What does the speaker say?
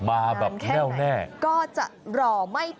มาแบบเน่าแน่นานแค่ไหนก็จะรอไม่ท้อ